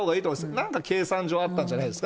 なんか計算上、あったんじゃないですかね。